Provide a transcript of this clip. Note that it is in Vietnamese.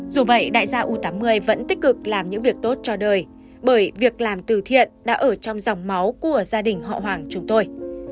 dù vậy đại gia u tám mươi vẫn tích cực làm những việc tốt cho đời bởi việc làm từ thiện đã ở trong dòng máu của gia đình họ hoàng chúng tôi